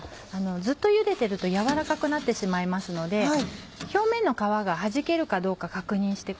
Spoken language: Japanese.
ずっとゆでてると軟らかくなってしまいますので表面の皮がはじけるかどうか確認して。